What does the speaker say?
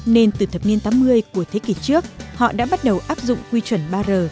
nên từ thập niên tám mươi của thế kỷ trước họ đã bắt đầu áp dụng quy chuẩn ba r